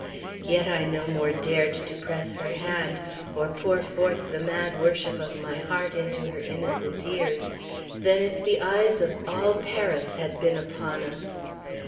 Yet I no more dared to press her hand, or pour forth the mad worship of my heart into her innocent ears, than if the eyes of all Paris had been upon us.